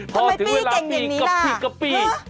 ทำไมปี้เก่งเงินนี้ล่ะฮะพอถึงเวลาปีกะปิ